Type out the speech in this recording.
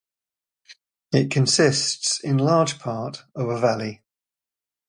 It consists in large part of a valley.